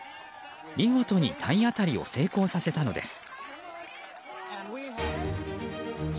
見事に体当たりを成功させたのです。